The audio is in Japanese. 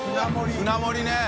舟盛りね。